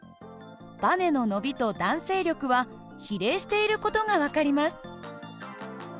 ばねの伸びと弾性力は比例している事が分かります。